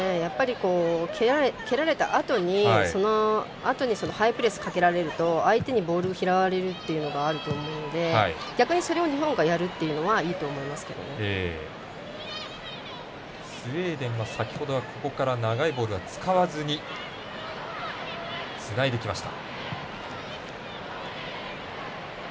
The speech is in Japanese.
蹴られたあとにハイプレスをかけられると相手にボールを拾われるっていうのがあると思うので逆にそれを日本がやるっていうのはスウェーデンは先ほどはここから長いボールは使わずにつないできました。